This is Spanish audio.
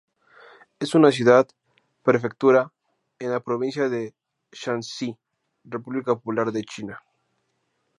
Es una ciudad-prefectura en la provincia de Shanxi, República Popular de China.